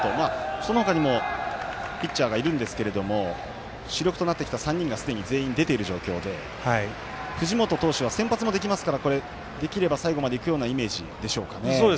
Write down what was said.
その他にもピッチャーがいるんですけれども主力となってきた３人がすでに出ている状況で藤本投手は先発もできますからできれば最後までいくようなイメージでしょうか。